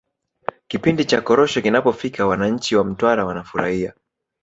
kipindi cha korosho kinapofika wananchi wa mtwara wanafurahia